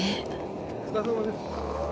お疲れさまです。